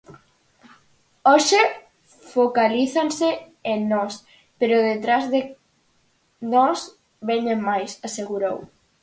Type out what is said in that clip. "Hoxe focalízanse en nós, pero detrás de nós veñen máis", asegurou.